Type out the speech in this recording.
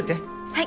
はい。